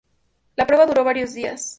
La prueba duró varios días.